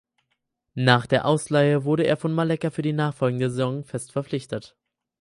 Nach der Ausleihe wurde er von Melaka für die nachfolgende Saison fest verpflichtet.